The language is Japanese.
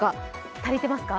足りてますか？